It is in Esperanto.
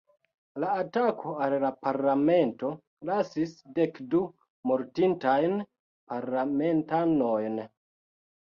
La atako al la Parlamento lasis dek du mortintajn parlamentanojn.